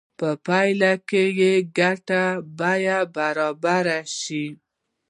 په پایله کې به د ګټې بیه برابره شي